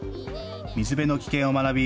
水辺の危険を学び